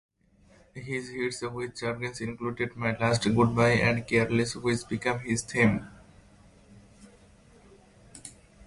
His hits with Jurgens included "My Last Goodbye" and "Careless," which became his theme.